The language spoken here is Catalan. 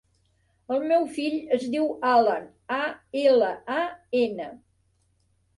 El meu fill es diu Alan: a, ela, a, ena.